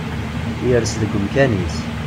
Ires deg umkan-is.